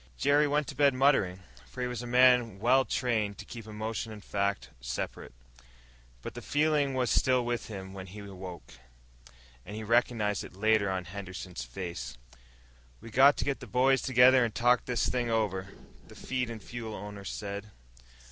Jerry went to bed muttering, for he was a man trained to keep emotion and fact well separate. But the feeling was still with him when he awoke, and he recognized it later on Henderson's face. "We got to get the boys together and talk this thing over," the feed and fuel owner said.